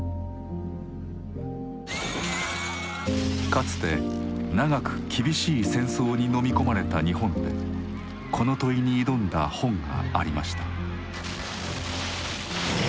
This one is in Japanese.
かつて長く厳しい戦争にのみ込まれた日本でこの問いに挑んだ本がありました。